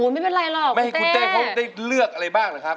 ไม่เป็นไรหรอกคุณเต้